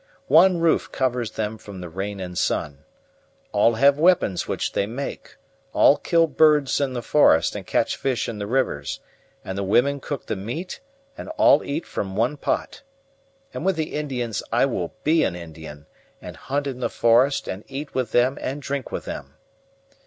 One roof covers them from the rain and sun. All have weapons which they make; all kill birds in the forest and catch fish in the rivers; and the women cook the meat and all eat from one pot. And with the Indians I will be an Indian, and hunt in the forest and eat with them and drink with them.